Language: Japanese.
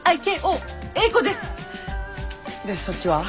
でそっちは？